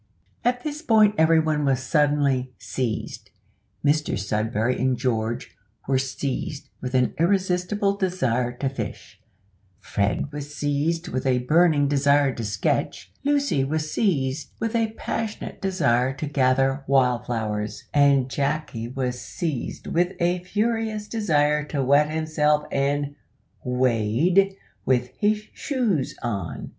At this point everyone was suddenly "seized." Mr Sudberry and George were seized with an irresistible desire to fish; Fred was seized with a burning desire to sketch; Lucy was seized with a passionate desire to gather wild flowers; and Jacky was seized with a furious desire to wet himself and wade with his shoes on.